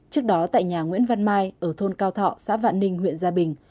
trước đó tại nhà nguyễn văn mai ở thôn cao thọ xã vạn ninh huyện gia bình